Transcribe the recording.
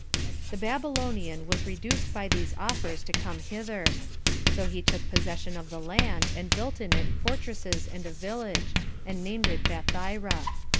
2. The Babylonian was reduced by these offers to come hither; so he took possession of the land, and built in it fortresses and a village, and named it Bathyra.